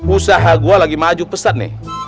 usaha gue lagi maju pesat nih